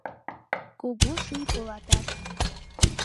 Кугу ший полатат